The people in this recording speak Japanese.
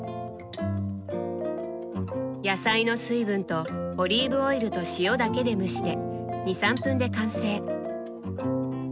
野菜の水分とオリーブオイルと塩だけで蒸して２３分で完成！